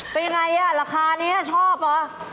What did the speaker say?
เป็นอย่างไรล่ะราคานี้ชอบหรือ